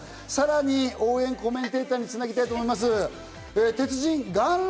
さらに応援コメンテーターにつなげたいと思います。